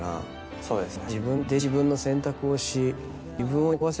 そうですね。